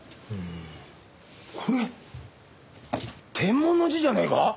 これテンモンの字じゃねえか？